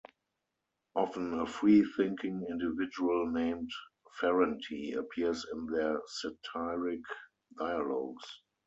Often a free-thinking individual named "Ferrante" appears in their satiric dialogues.